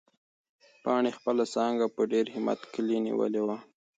پاڼې خپله څانګه په ډېر همت کلي نیولې وه.